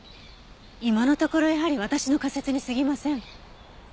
今のところやはり私の仮説に過ぎません。